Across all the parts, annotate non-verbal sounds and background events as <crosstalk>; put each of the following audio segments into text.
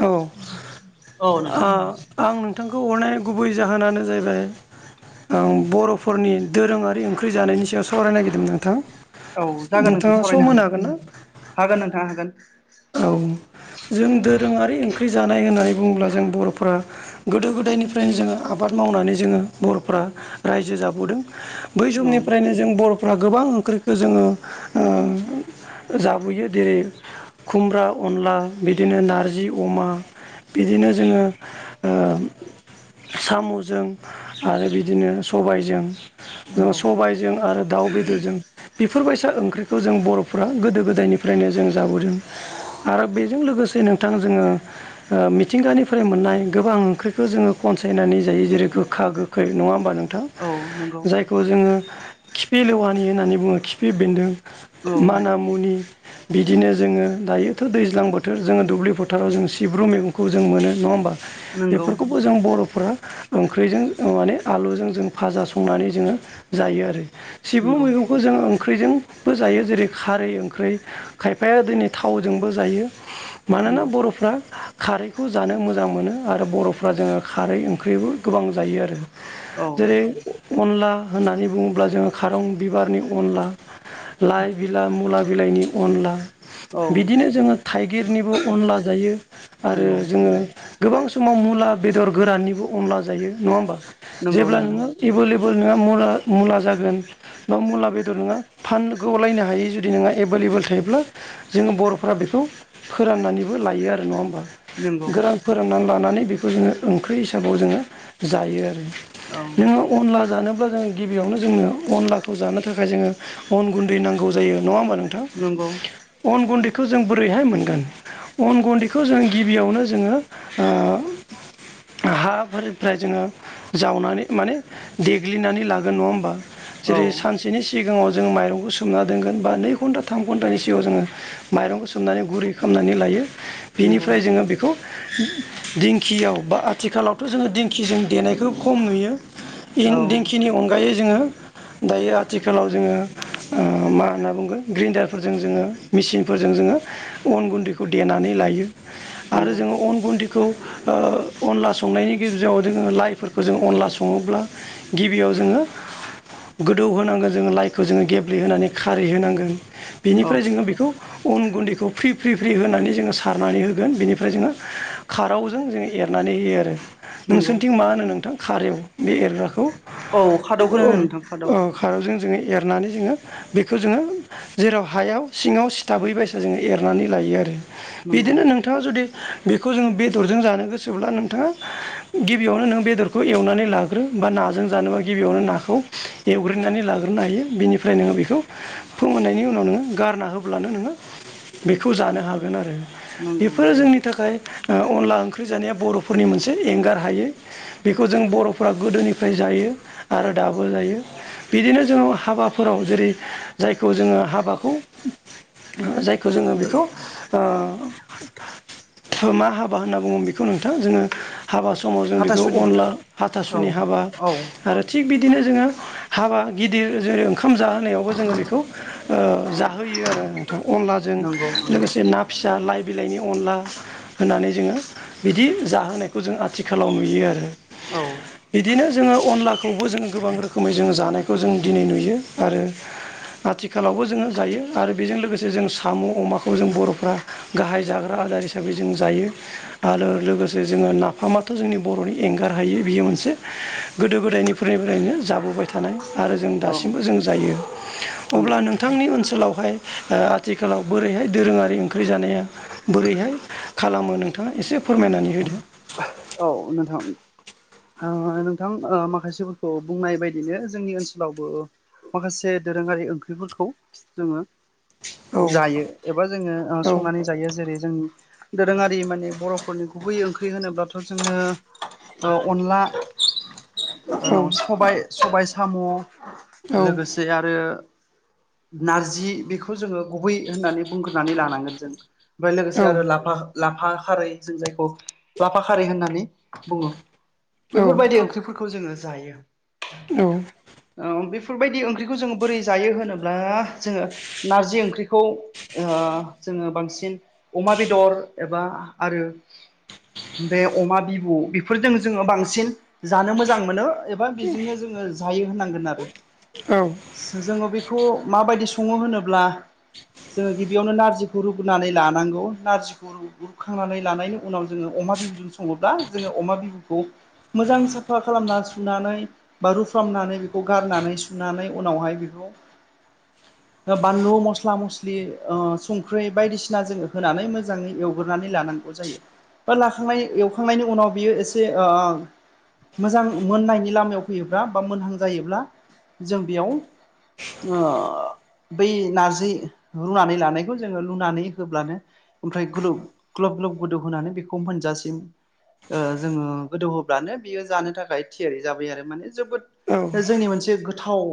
औ औ नोंथां। आ आं नोंथांखौ हरनायनि गुबै जाहोनानो जाहैबाय ओं बर'फोरनि दोरोङारि ओंख्रि जानायनि सायाव सावरायनो नागिरदोंमोन नोंथां। औ जागोन नोंथां नोंथाङा सम सावरायनो होनो ना? हागोन हागोन नोंथां हागोन। औ जों दोरोङारि ओंख्रि जानाय होननानै बुङोब्ला जों बर'फ्रा गोदो गोदायनिफ्रायनो जोङो आबाद मावनानै जोङो बर'फ्रा रायजो जाबोदों बै नोंथां हागोन औ समनिफ्रायनो जों बर' फोरा गोबां ओंख्रिखौ जोङो ओ जाबोयो जेरै खुमब्रा अनला बिदिनो नारजि अमा बिदिनो जोङो ओ साम'जों आरो बिदिनो सबायजों नंगौ सबायजों आरो दाउ बेदरजों बेफोरबायसा ओंख्रिखौ जों बर'फ्रा गोदो गोदायनिफ्रायनो जों जाबोदों। आरो बेजों लोगोसे नोंथां जोङो ओ मिथिंगानिफ्राय मोननाय गोबां ओंख्रिखौ जोङो खनसायनानै जायो जेरै गोखा गोखै नङा होमबा नों थां औ नंगौ जायखौ जोङो खिफि लेवानि होननानै बुङो खिफि बेन्दों औ माना मुनि बिदिनो जोङो दायोथ' दैज्लां बोथोर जोङो दुब्लि फोथाराव जों सिब्रु मैगंखौ जों मोनो नङा होमबा नंगौ बेफोरखौ जों बर'फोरा ओंख्रिजों माने आलुजों जों भाजा संनानै जोङो जायो आरो सिबुं नंगौ मैगं बो जोंङो ओंख्रिजोंबो जायो जेरै खारै ओंख्रै खायफाया दिनै थावजोंबो जायो। मानोना नंगौ बर'फ्रा खारैखौ जानो मोजां मोनो आरो बर'फ्रा जोङो खारै ओंख्रिबो गोबां जायो आरो। औ जेरै अनला होननानै बुङोब्ला जोङो खारं बिबारनि अनला लाइ बिला मुला बिलाइनि अनला औ बिदिनो जोङो थाइगिरनिबो अनला जायो आरो नंगौ जोङो गोबां समाव मुला बेदर गोराननिबो अनला जायो नङा होमबा नंगौ जेब्ला नंगौ नोङो एबोल एबोल नोङा मुला मुला जागोन बा मुला बेदर नोङो फानग'लायनो हायि जुदि नोंङो एबोल एबोेल थायोब्ला जोङो बर'फ्रा बेखौ फोराननानैबो लायो आरो नङा होमबा नंगौ गोरान फोराननानै लानानै बेखौ जोङो ओंख्रि हिसाबाव जोङो जायो आरो औ नोङो। अनला जानोब्ला जोङो गिबिआवनो जोङो अनलाखौ जानो थाखाय जोङो अन गुन्दै नांगौ जायो नङा होमबा नोंथां नोंगौ अन गुन्दैखौ जों बोरैहाय मोनगोन अन गुन्दैखौ जोङो गिबियावनो जोङो ओ हाफोरनिफ्राय जोङो जावनानै माने देग्लेनानै लागोन नङा होमबा औ जेरै सानसेनि सिगांआव जोङो माइरंखौ सोमना दोनगोन बा नै घन्टा थाम घन्टानि सिगांआव जोङो माइरंखौ सोमनानै गुरै खालामनानै लायो नंगौ बिनिफ्राय जोङो बेखौ दिंखिआव बा आथिखालावथ' जोङो दिंखिजों देनायखौ खम नुयो औ दिंखिनि अनगायै जोङो दायो आथिखालाव जोङो ओ मा होनना बुंगोन ग्रेन्डारफोरजों जोङो मेचिनफोरजों जोङो ओ अन गुन्दैखौ देनानै लायो आरो नंगौ जोङो अन गुन्दै बेखौ ओ अनला संनायनि गेजेराव जोङो लाइफोरखौ जों अनलाजों सङोब्ला गिबिआव जोङो गोदौ होनांगोन जोङो लाइखौ जोङो गेब्लेहोनानै खारि होनांगोन औ बेनिफ्राय जोङो बेखौ बेखौ उन गुन्दैखौ फ्रि फ्रि फ्रि होनानै जोङो सारनानै होगोन बेनिफाय जोङो खारौवजों जोंङो एरनानै होयो आरो नंगौ नोंसोरथिं मा होनो नोंथां खारेव बे एरग्राखौ औ खादौखौनो ओ होनो नोंथां खादौ औ खारैजों जोङो एरनानै जोङो बेखौ जोङो जेराव हायाव सिङाव सिथाबै बायसा जोङो एरनानै लायो आरो नंगौ बिदिनो नोंथांआ जुदि ओ बेखौ जोङो बेदरजों जानो गोसोब्ला नोंथांआ गिबिआवनो नों बेदरखौ एवनानै लागोर रो बा नाजों जानोबा गिबिआवनो नाखौ ओ एवग्रोननानै लाग्रोनो हायो बेनिफ्राय नोङो बेखौ फोंमोननायनि उनाव नोङो गारना ह होब्लानो नोङो बेखौ जानो हागोन आरो नंगौ बेफोरो नंगौ जोंनि थाखाय ओ अनला ओंख्रि जानाया बर'फोरनि मोनसे एंगार हायै बेखौ जों बर'फ्रा गोदोनिफाय जायो आरो दाबो जायो बिदिनो जोङो हाबाफोराव जेरै जायखौ जोङो हाबाखौ जायखौ जोङो बेखौ ओ जों मा हाबा होनना बुङो बेखौ नोंथां जोङो हाबा समाव जों बेखौ हाथासुनि अनला औ हाथासुनि हाबा औ आरो थिग बिदिनो जोङो हाबा गिदिर जेरै ओंखाम जाहोनायावबो जोङो बेखौ जाहोयो हैयो आरो नोंथां अनलाजों नंगौ नंगौ लोगोसे ना फिसा लाइ बिलाइनि अनला होननानै जोङो बिदि जाहोनायखौ जों आथिखालाव नुयो आरो हो औ बिदिनो जोङो अनलाखौबो जोङो गोबां रोखोमै जोङो जानायखौ जों दिनै नुयो आरो आथिखालावबो जोङो जायो आरो बेजों लोगोसे जों साम'अमाखौ जों बर'फ्रा गाहाय जाग्रा आदार हिसाबै जों जायो आरो लोगोसे जोङो नाफामाथ' जोंनि बर'नि एंगार हायै बियो मोनसे गोदो गोदायनिफ्रायनो जाबोबाय थानाय आरो जों औ दासिमबो जों जायो नंगौ अब्ला नोंथांनि ओनसोलावहाय ओ आथिखालाव बोरैहाय दोरोंआरि ओंख्रि जानाया बोरैहाय खालामो नोंथांआ एसे फोरमायनानै होदो आं नोंथां ओ नोंथां ओ माखासेफोरखौ बुंनाय बादिनो जोंनि ओनसोलावबो माखासे दोरोंआरि ओंख्रिफोरखौ जोङो औ जायो एबा जोङो आ औ संनानै जायो जेरै जों दोरोआरि माने बर'फोरनि गुबै ओंख्रि होनोब्लाथ' जोङो ओ अनला ओ औ जोंनाव स'बाय स'बाय साम' औ लोगोसे आरो नारजि बेखौ जोङो गुबै होननानै बुंग्रोनानै लानांगोन जों आमफ्राय औ लोगोसे आरो ला लाफा खारै जों जायखौ लाफा खारै होननानै बुङो बेफोरबादि ओंख्रिफोरखौ जोङो जायो औ औ बेफोरबायदि ओंख्रिखौ जोङो बोरै जायो होनोब्ला जोङो नारजि ओंख्रिखौ ओ जोङो बांसिन अमा बेदर एबा आरो बे अमा बिबु बेफोरजों जोङो बां सिन जानो मोजां मोनो एबा बेजोंनो जोङो जायो होननांगोन आरो। औ। सो जोङो बेखौ मा बायदि सङो होनोब्ला जोङो गिबियावनो नारजिखौ रुग्रोनानै लानांगौ नारजिखौ <unintelligible> रुखांनानै लानायनि उनाव जोङो अमा बिबुजों सङोब्ला जोङो अमा बिबुखौ मोजां साफा खालामना सुनानै बा रुफ्रामनानै बेखौ गारनानै सुनानै उनावहाय बेखौ <inaudible> ओ बानलु मस्ला मस्लि ओ संख्रि बायदिसिना जोङो होनानै मोजाङै एवग्रोनानै लानां जायो बा लाखांनाय एवखांनायनि उनाव बियो एसे ओ मोजां मोननायनि लामायाव फैयोब्ला बा मोनहां जायोब्ला जों बेयाव ओ बै नारजि रुनानै लानायखौ जोङो लुनानै होब्लानो ओमफ्राय गुलुब ग्लब ग्लब गोदौह होनानै बेखौ मोनजासिम ओ जोङो गोदौ ब्लानो बियो जानो थाखाय थियारि जाबाय आरो माने जोबोद जोंनि मोनसे थाव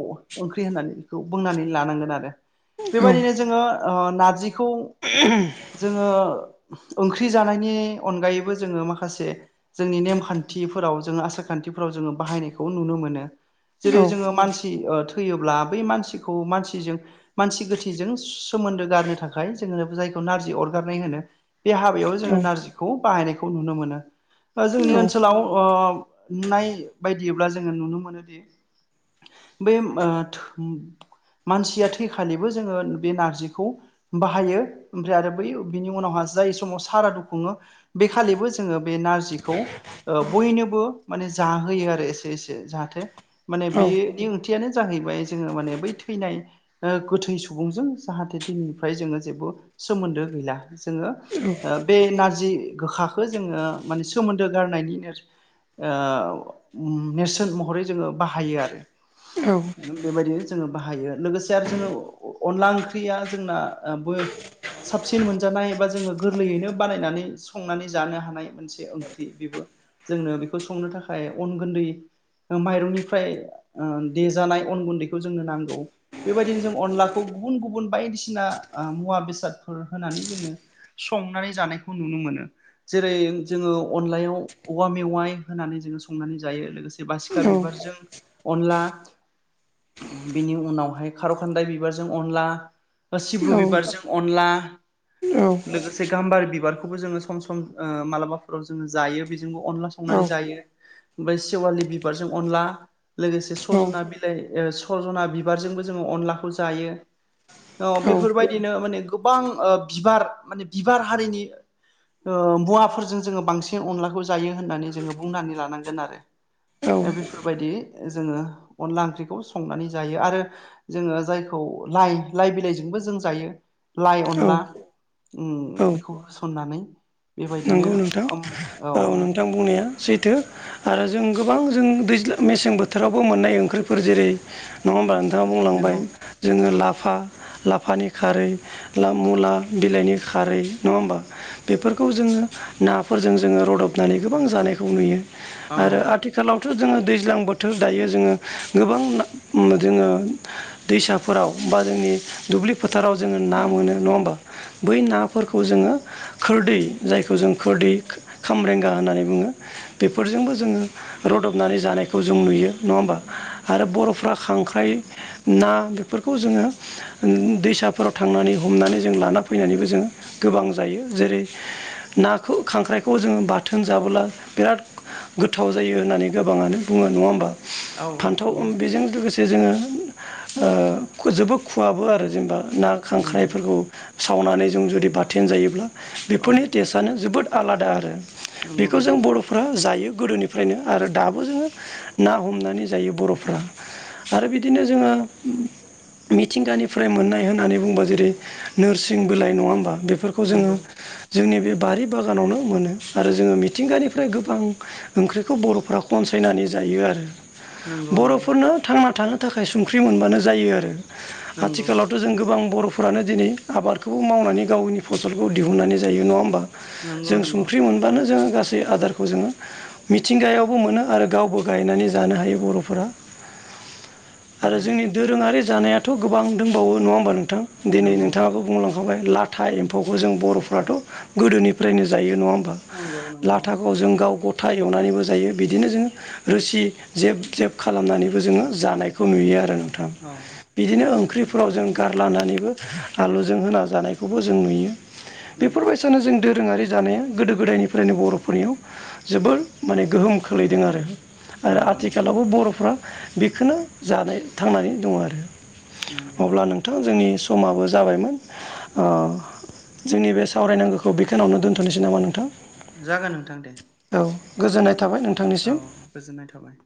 ओंख्रि होननानै बुंनानै लांगोन आरो बेबायदिनो जोङो ओ नारजिखौ <unintelligible> जोङो ओंख्रि जानायनि अनगायैबो जोङो माखासे जोंनि नेमखान थिफोराव जोङो आसारखान्थिफोराव जोङो बाहायनायखौ नुनो मोनो। जेरै जोङो मानसि ओ थैयोब्ला बै मानसिखौ मानसिजों मानसि गोथैजों ससोमोन्दो गारनो थाखाय जोङो जायखौ नारजि अरगारनाय होनो बे हाबायाव जोङो नारजिखौ बाहायनायखौ नुनो मोनो। ओ जोंनि ओनसो लाव ओ नुनाय बायदिब्ला जोङो नुनो मोनोदि बे ओ थो मानसिया थैखालिबो जोङो बे नारजिखौ बाहायो ओमफ्राय आरो बै बिनि उनावहा जाय समाव सारादु खुङो बेखालिबो जोङो बे नारजिखौ ओ बयनोबो माने जाहोयो आरो एसे एसे जाहाथे माने बेनि ओं थियानो जाहैबाय जोङो माने बै थैनाय ओ गोथै सुबुंजों जाहाथे दिनैनिफ्राय जोङो जेबो सोमोन्दो गैला जोङो ओ बे नारजि गोखाखौ जोङो माने सोमोन्दो गारनायनि <unintelligible> ओ नेरसोन महरै जोङो बाहायो आरो। औ। बेबायदिनो जोङो बाहायो लोगोसे आरो जोङो अअनला ओंख्रिया जोंना ओ बो साबसिन मोनजानाय एबा जोङो गोरलैयैनो बानायनानै संनानै जानो हानाय मोनसे ओंख्रि बेबो जोंनो बेखौ संनो थाखाय अन गुन्दै माइरंनिफ्राय ओ देजानाय अन गुन्दैखौ जोंनो नांगौ। बेबायदिनो जों अनलाखौ गुबुन गुबुन बायदिसिना ओ मुवा बेसादफोर होनानै जोङो संनानै जानायखौ नुनो मोनो जेरै जोङो अनलायाव औवा मेवाइ होनानै जोङो संनानै जायो लोगोसे बासिखा बिबारजों अनला बिनि उनावहाय खार' खान्दाय बिबारजों अनला बा सिब्रु बिबारजों अनला औ। लोगोसे गाम्बारि बिबारखौबो जोङो सम सम ओ मालााफोराव जोङो जायो बेजोंबो अनला सं नानै जायो ओमफ्राय सेवालि बिबारजों अनला लोगोसे सरजना बि लाइ ओ सरजना बिबारजोंबो जोङो अनलाखौ जायो औ बेफोरबाय ओरैनो माने गोबांओ बिबार माने बिबार हारिनि ओ मुवाफोरजों जोङो बांसिन अनलाखौ जायो होननानै जोङो बुंनानै लानांगोन आरो औ बेफोरबायदि जोङो अनला ओंख्रिखौ संनानै जायो। आरो जोङो जायखौ लाइ लाइ बिलाइजोंबो जों जायो। लाइ औ अनला उ औ बेखौ होसननानै बेबायदिनो ओम औ बिथां बुंनाया सैथो आरो जों गोबां जों दैज्ल मेसें बोथोरावबो मोननाय ओंख्रिफोर जेरै नङा होमब्ला नोंथाङा बुंलांबाय नंगौ जोङो लाफा लाफानि खारै मुला बिलाइनि खारै नङा होमबा बेफोर खौ जोङो नाफोरजों जोङो रदबनानै गोबां जानायखौ नुयो औ आरो आथिखाल आथिखालावथ' जोङो दैज्लां बोथोर दायो जोङो गोबां जोङो दैसाफोराव बा जोंनि दुब्लि फोथाराव जोङो ना मोनो नङा होमबा बै नाफोरखौ जोङो खोरदै जायखौ जों खोरदै खामरेंगा होननानै बुङो बेफोरजोंबो जोङो रदबनानै जानायखौ जों नुयो नङा होमबा आरो बर'फ्रा खांख्राइ ना बेफोरखौ जोङो दैसाफोराव थांनानै हमनानै जों लाना फैनानैबो जों गोबां जायो जेरै नाखौ खांख्राइखौ जोङो बाथोन जाबोला बिराद गोथाव जायो होननानै गोबाङानो बुङो नङा होमबा औ फान्थाव ओम नंगौ बेजों लोगोसे जे जोङो ओ जोबो खुवाबो आरो जेनेबा ना नंगौ खांख्रायफोरखौ सावनानै जों जुदि बाथोन जायोब्ला औ बेफोरनि टेस्आनो जोबोद आलादा आरो नंगौ बेखौ जों नंगौ बर' फ्रा जायो गोदोनिफ्रायनो आरो दाबो जोङो ना हमनानै जायो बर'फ्रा आरो बिदिनो जोङो मिथिंगानिफ्राय मोननाय होननानै बुङोब्ला जेरै नोरसिं बलाइ नङा होनोमबा बेफोरखौ बेखौ जोङो नंगौ जोंनि बे बारि बागानावनो मोनो आरो जोङो मिथिंगानिफ्राय गोबां ओंख्रिखौ बर'फ्रा खनसायनानै जायो आरो नंगौ नंगौ बर'फोरनो थांना थानो थाखाय संख्रि मोनबानो जायो आरो नंगौ आथिखालाव थ' जों गोबां बर'फोरानो दिनै आबादखौबो मावनानै गावनि फसलखौ दिहुननानै जायो नङा होमबा नंगौ जों नंगौ संख्रि मोनबानो जोङो गासै आदारखौ जोङो मिथिंगायावबो मोनो आरो गावबो गायनानै जानो हायो बर'फोरा आरो थारैनो जोंनि दोरोङारि जानायाथ' गोबां दंबावो नङा होमबा नोंथां दिनै नंगौ नोंथाङाबो बुंलां जांबाय लाथा एम्फौखौ जों बर'फ्राथ' गोदोनिफ्रायनो जायो नङा होमबा नंगौ नंगौ लाथाखौ जों गाव गथा एवनानैबो जायो बिदिनो जों रोसि जेब जेब खालामनानैबो जोङो जानायखौ नुयो आरो नोंथां। औ बिदिनो ओंख्रिफोराव जों गारलानानैबो आलुजों होना जानायखौबो जों नुयो। नंगौ बेफोरबायदिसानो जों दोरोङारि जानाया गोदो गोदायनिफ्रायनो बर'फोरनियाव जोबोर माने गोहोम खोलैदों आरो आरो नंगौ नंगौ आथिखालावबो बर'फ्रा बेखौनो जानाय थांनानै दङ आरो नंगौ अब्ला नोंथां जोंनि समाबो जाबायमोन ओ जोंनि बे सावरायनांगौखौ बेखौनावनो दोनथ'नोसै नामा नोंथां? जागोन नोंथां दे। औ गोजोननाय थाबाय औ नोंथांनिसिम। गोजोननाय थाबाय।